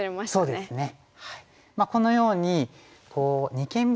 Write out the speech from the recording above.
そうですね。